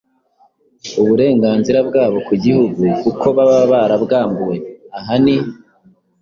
uburenganzira bwabo ku gihugu kuko baba barabwambuwe. Aha ni